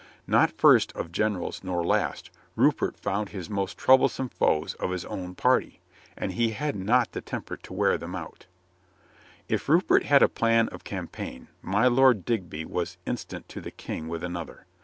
Not first of generals nor last, Rupert found his most trouble some foes of his own party, and he had not the temper to wear them out If Rupert had a plan of campaign, my Lord Digby was instant to the King with another.